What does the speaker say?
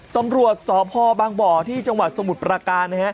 ตำรวจสพบางบ่อที่จังหวัดสมุทรประการนะฮะ